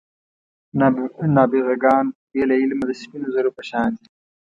نابغه ګان بې له علمه د سپینو زرو په شان دي.